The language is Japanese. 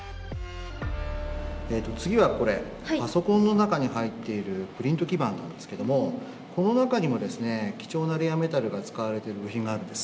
えっと次はこれパソコンの中に入っているプリント基板なんですけどもこの中にもですね貴重なレアメタルが使われている部品があるんです。